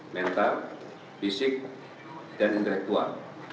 mental fisik dan intelektual